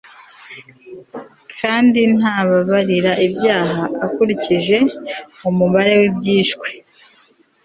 kandi ntababarira ibyaha akurikije umubare w'ibyishwe